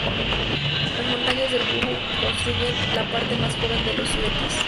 Las montañas del Búho constituyen la parte más joven de los Sudetes.